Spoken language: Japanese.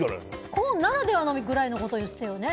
コーンならではみたいなことを言ってたよね。